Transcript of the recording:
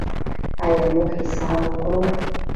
آیا موږ حساب ورکوو؟